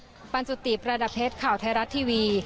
สำหรับปัญจุติพระดับเพชรข่าวไทยรัฐทีวี